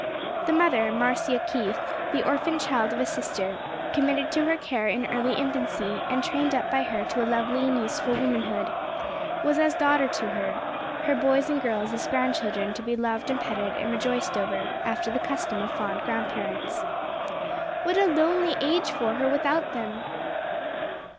The mother, Marcia Keith, the orphan child of a sister, committed to her care in early infancy and trained up by her to a lovely and useful womanhood, was as a daughter to her her boys and girls as grandchildren to be loved and petted and rejoiced over after the custom of fond grandparents What a lonely old age for her without them!